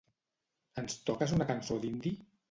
Ens toques una cançó d'indie?